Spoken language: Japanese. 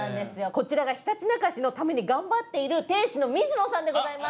こちらがひたちなか市のために頑張っている店主の水野さんでございます。